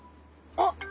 あっ！